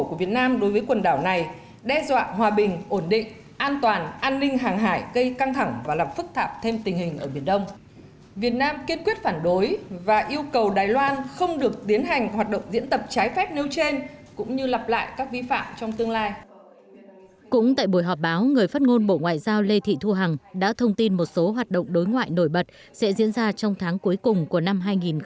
cũng tại buổi họp báo người phát ngôn bộ ngoại giao lê thị thu hằng đã thông tin một số hoạt động đối ngoại nổi bật sẽ diễn ra trong tháng cuối cùng của năm hai nghìn hai mươi